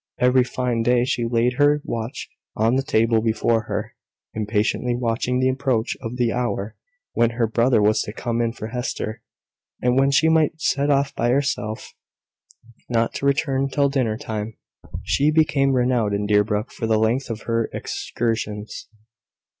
Every fine day she laid her watch on the table before her, impatiently waiting the approach of the hour when her brother was to come in for Hester, and when she might set off by herself, not to return till dinner time. She became renowned in Deerbrook for the length of her excursions.